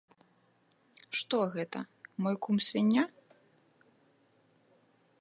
Што гэта, мой кум свіння?